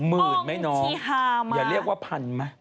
หมื่นไหมน้องอย่าเรียกว่าพันไหม